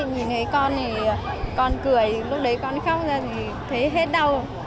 nhìn thấy con thì con cười lúc đấy con khóc ra thì thấy hết đâu